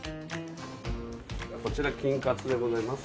こちら金カツでございます。